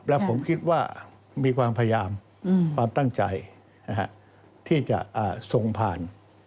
แล้วผมคิดว่ามีความพยายามความตั้งใจที่จะทรงผ่าน